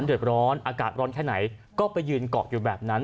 เดือดร้อนอากาศร้อนแค่ไหนก็ไปยืนเกาะอยู่แบบนั้น